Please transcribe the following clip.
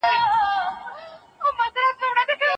کارپوهانو ټينګار وکړ چي په پوهنه بايد زياته پانګونه وسي.